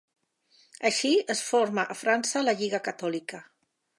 Així, es forma a França la Lliga Catòlica.